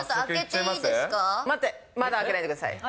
待って、まだ開けないでください。